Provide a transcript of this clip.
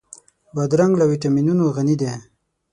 بادرنګ له ويټامینونو غني دی.